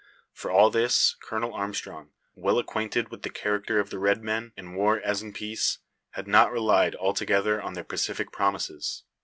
For all this, Colonel Armstrong, well acquainted with the character of the red men, in war as in peace, had not relied altogether on their pacific promises.